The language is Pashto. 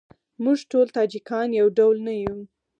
موږ ټول تاجیکان یو ډول نه یوو.